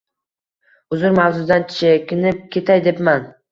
Uzr, mavzudan chekinib ketay debman